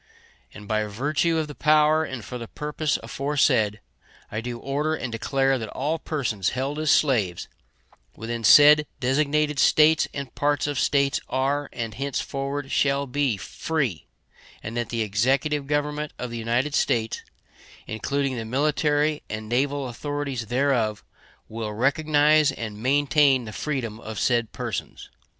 And by virtue of the power and for the purpose aforesaid, I do order and declare that all persons held as slaves within said designated States and parts of States are, and henceforward shall be, free; and that the Executive Government of the United States, including the military and naval authorities thereof, will recognize and maintain the freedom of said persons.